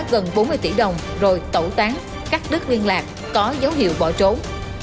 gần bốn mươi tỷ đồng rồi tẩu tán cắt đứt liên lạc có dấu hiệu bỏ trốn